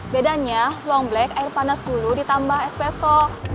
bedanya long black air panas dulu ditambah espresso